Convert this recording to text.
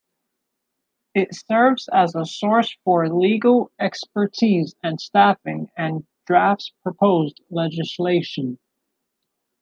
It serves as a source for legal expertise and staffing and drafts proposed legislation.